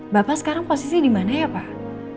bapak sekarang posisi dimana ya pak